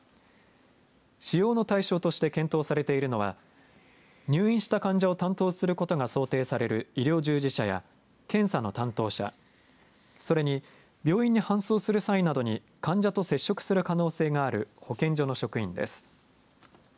使用の対象として検討されているのは入院した患者を担当することが想定される医療従事者や検査の担当者、それに病院に搬送する際などに患者と接触する可能性がある保健所の職員です。